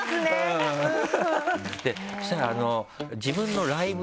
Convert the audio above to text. そしたら。